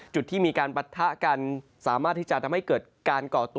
จุดที่มีการปะทะกันสามารถที่จะทำให้เกิดการก่อตัว